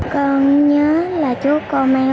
con nhớ là chúc con mang